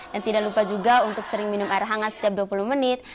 dan tidak lupa juga untuk sering minum air hangat setiap dua puluh menit